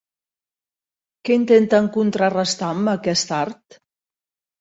Què intenten contrarestar amb aquest art?